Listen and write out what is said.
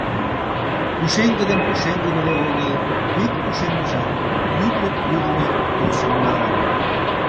Пушеҥге ден пушеҥге веле огыл, ик пушеҥгыжат тӱрлӧ-тӱрлӧ тӱсым налын.